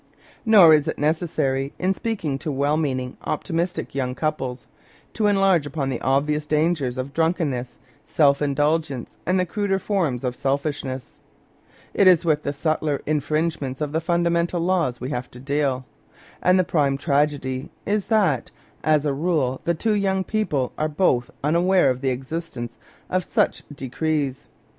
Nor is it necessary, in speaking to well meaning, optimistic young couples, to enlarge upon the obvious dangers of drunkenness, self indulgence, and the cruder forms of selfishness. It is with the subtler in fringements of the fimdamental laws we have to deal. And the prime tragedy is that, as a rule, the two young people are both unaware of the existence of such de crees.